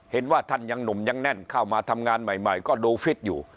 เห็นว่าท่านยังหนุ่มยังแน่นเข้ามาทำงานใหม่ก็ดูฟิตอยู่